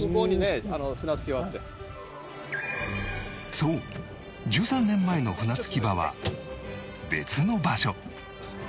そう１３年前の船着き場は別の場所